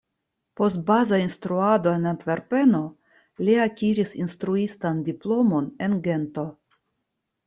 Post baza instruado en Antverpeno li akiris instruistan diplomon en Gento.